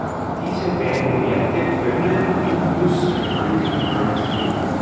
Diese beiden Werte können und müssen Hand in Hand gehen.